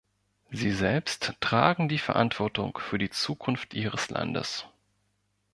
Sie selbst tragen die Verantwortung für die Zukunft ihres Landes.